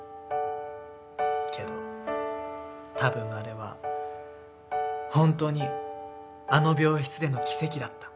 けど多分あれは本当にあの病室での奇跡だった。